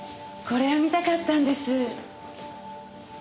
これを見たかったんです。